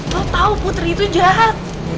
kau tahu putri itu jahat